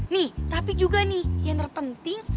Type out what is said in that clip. nih tapi juga nih yang terpenting